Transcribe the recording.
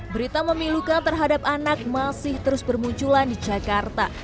berita memilukan terhadap anak masih terus bermunculan di jakarta